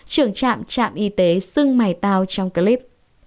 trưởng trạm trạm y tế xưng mài tao trong clip